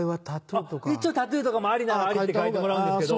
あっ一応タトゥーとかもありならありって書いてもらうんですけど。